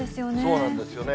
そうなんですよね。